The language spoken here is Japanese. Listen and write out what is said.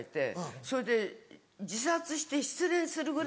それで自殺して失恋するぐらいの。